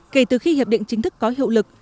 kể từ khi hiệp định chính thức có hiệu lực